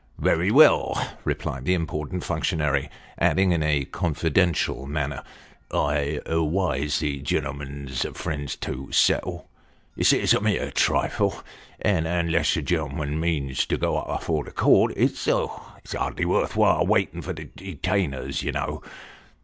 "Werry well," replied that important functionary; adding, in a confidential manner, " I'd adwise the gen'lm'n's friends to settle. You see it's a mere trifle ; and, unless the gen'lm'n means to go up afore the court, it's hardly worth while waiting for detainers you know.